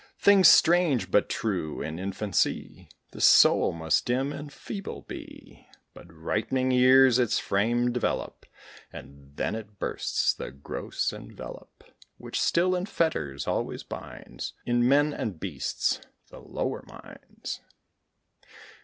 Things strange, but true. In infancy This soul must dim and feeble be; But ripening years its frame develop, And then it bursts the gross envelope Which still in fetters always binds, In men and beasts, the lower minds.